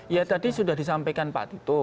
ya tadi sudah disampaikan pak tito